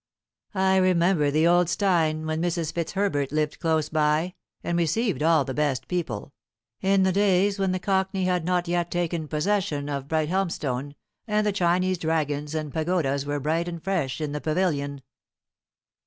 I remember the old Steyne when Mrs. FitzHerbert lived close by, and received all the best people, in the days when the Cockney had not yet taken possession of Brighthelmstone, and the Chinese dragons and pagodas were bright and fresh in the Pavilion."